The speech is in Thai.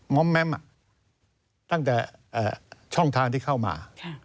้อมแม้มตั้งแต่ช่องทางที่เข้ามา